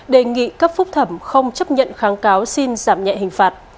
đề nghị cấp phúc thẩm không chấp nhận kháng cáo xin giảm nhẹ hình phạt